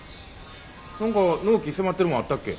何か納期迫ってるもんあったっけ？